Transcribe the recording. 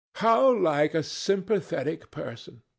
How like a sympathetic person!